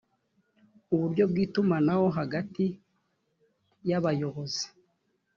uburyo bw itumanaho hagati y abayobozi